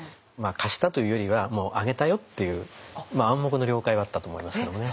貸したというよりはもうあげたよっていう暗黙の了解はあったと思いますけどもね。